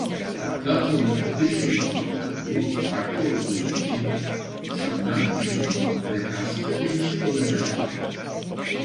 Farklı atomların dış elektron kabuğu farklı olduğu için salınan ışınımın frekansı da değişik olacaktır.